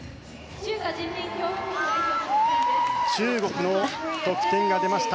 中国の得点が出ました。